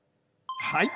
はい！